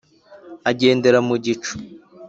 agendera mu gicu